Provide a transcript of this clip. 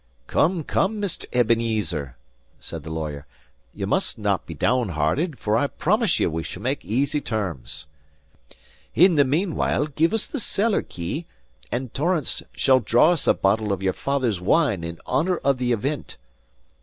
"Come, come, Mr. Ebenezer," said the lawyer, "you must not be down hearted, for I promise you we shall make easy terms. In the meanwhile give us the cellar key, and Torrance shall draw us a bottle of your father's wine in honour of the event."